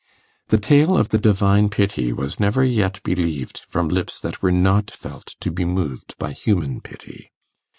The tale of the Divine Pity was never yet believed from lips that were not felt to be moved by human pity.